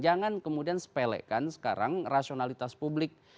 jangan kemudian sepelekan sekarang rasionalitas publik